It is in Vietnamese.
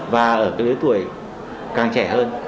và ở cái lưới tuổi càng trẻ hơn